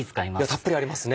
たっぷりありますね。